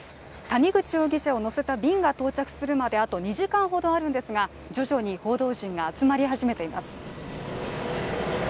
谷口容疑者を乗せた便が到着するまであと２時間ほどあるんですが、徐々に報道陣が集まり始めています。